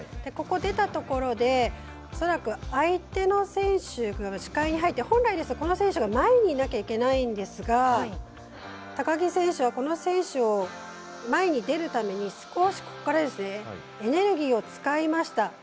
ここを出たところでおそらく相手の選手から視界に入って、本来この選手が前にいなくてはいけないんですが高木選手はこの選手を前に出るために少しここからエネルギーを使いました。